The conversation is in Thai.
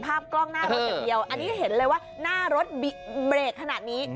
กล้องหน้ารถอย่างเดียวอันนี้เห็นเลยว่าหน้ารถเบรกขนาดนี้